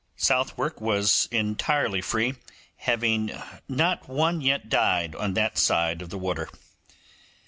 Southwark was entirely free, having not one yet died on that side of the water.